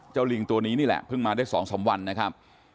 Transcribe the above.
ลิงตัวนี้นี่แหละเพิ่งมาได้๒๓วันนะครับ